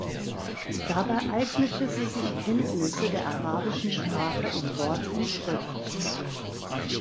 Dabei eignete sie sich Kenntnisse der arabischen Sprache in Wort und Schrift.